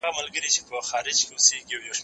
زه له سهاره چپنه پاکوم؟